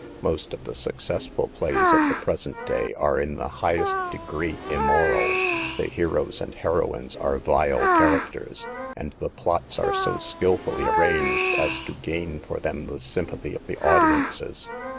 Most of the successful plays of the present day are in the highest degree immoral. The heroes and heroines are vile characters, and the plots are so skillfully arranged as to gain for them the sympathy of the audiences.